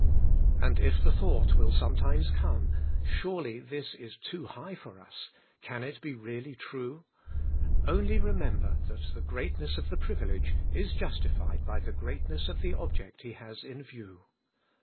And if the thought will sometimes come: Surely this is too high for us; can it be really true? only re member that the greatness of the privilege is justijBed by the greatness of the object He has in view.